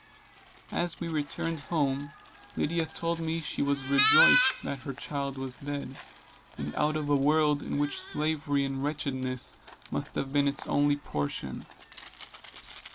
As we returned home, Lydia told me she was rejoiced that her child was dead, and out of a world in which slavery and wretchedness must have been its only portion.